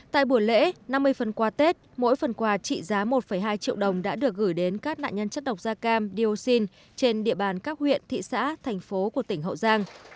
tại buổi lễ năm mươi phần quà tết mỗi phần quà trị giá một hai triệu đồng đã được gửi đến các nạn nhân chất độc da cam dioxin trên địa bàn các huyện thị xã thành phố của tỉnh hậu giang